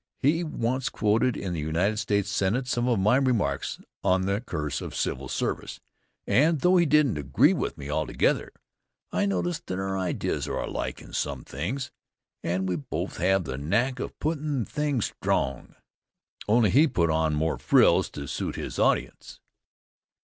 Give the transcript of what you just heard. He once quoted in the United States Senate some of my remarks on the curse of civil service, and, though he didn't agree with me altogether, I noticed that our ideas are alike in some things, and we both have the knack of puttin' things strong, only he put on more frills to suit his audience.